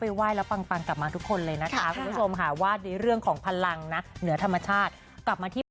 โอ้มตอนนี้โอ้มตะโกนเลยนะครับ